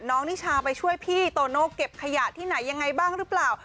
นิชาไปช่วยพี่โตโน่เก็บขยะที่ไหนยังไงบ้างหรือเปล่า